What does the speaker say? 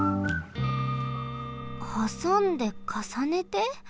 はさんでかさねて？